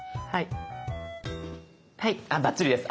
はいバッチリです。